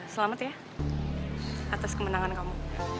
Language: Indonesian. selamat ya atas kemenangan kamu